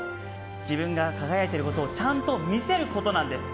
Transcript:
自分が輝いている姿をちゃんと見せることなんです。